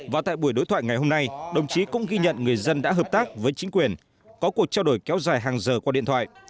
và tại buổi đối thoại ngày hôm nay đồng chí cũng ghi nhận người dân đã hợp tác với chính quyền có cuộc trao đổi kéo dài hàng giờ qua điện thoại